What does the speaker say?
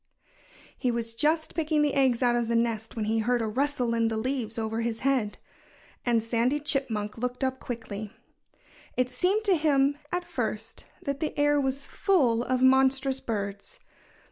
He was just picking the eggs out of the nest when he heard a rustle in the leaves over his head. And Sandy Chipmunk looked up quickly. It seemed to him, at first, that the air was full of monstrous birds.